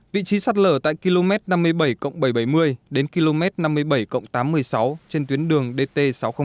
vị trí sạt lở tại km năm mươi bảy bảy trăm bảy mươi đến km năm mươi bảy tám trăm một mươi sáu trên tuyến đường dt sáu trăm linh một